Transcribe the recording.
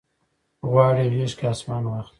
غواړي غیږ کې اسمان واخلي